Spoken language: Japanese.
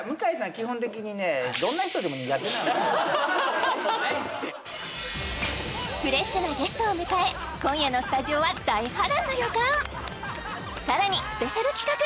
基本的にねフレッシュなゲストを迎え今夜のスタジオは大波乱の予感さらにスペシャル企画